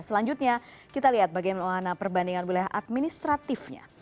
selanjutnya kita lihat bagaimana perbandingan wilayah administratifnya